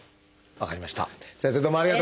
分かりました。